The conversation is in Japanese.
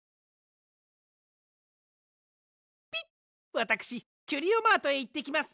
わたくしキュリオマートへいってきます。